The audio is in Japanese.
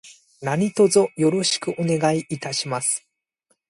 何卒よろしくお願いいたします。